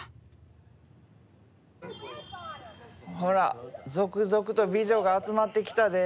ほら続々と美女が集まってきたで。